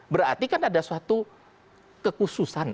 berarti kan ada suatu kekhususan